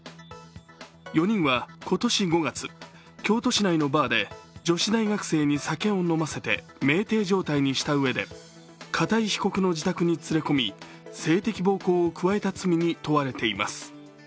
４人は今年５月、京都市内のバーで女子大学生に酒を飲ませてめいてい状態にしたうえで片井被告の自宅に連れ込み、性的暴行を加えた罪に問われています。